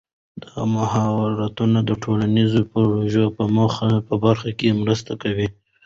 دا مهارتونه د ټولنیزو پروژو په برخه کې مرسته کوي.